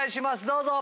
どうぞ！